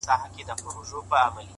گرانه شاعره له مودو راهسي؛